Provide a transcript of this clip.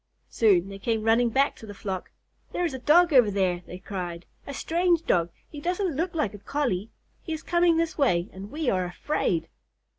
Soon they came running back to the flock. "There is a Dog over there," they cried, "a strange Dog. He doesn't look like Collie. He is coming this way, and we are afraid."